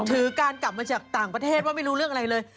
ถือการกลับมาจากต่างประเทศว่าไม่รู้เรื่องอะไรเลย